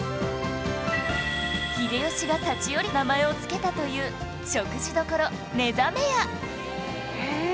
秀吉が立ち寄り名前を付けたという食事どころ祢ざめ家